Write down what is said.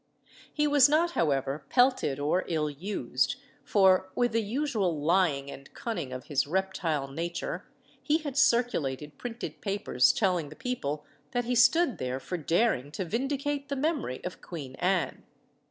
He was not, however, pelted or ill used; for, with the usual lying and cunning of his reptile nature, he had circulated printed papers telling the people that he stood there for daring to vindicate the memory of Queen Anne.